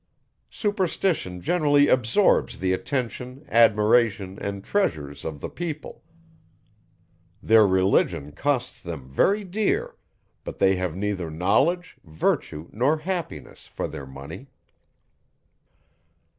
Superstition generally absorbs the attention, admiration, and treasures of the people; their Religion costs them very dear; but they have neither knowledge, virtue, nor happiness, for their money.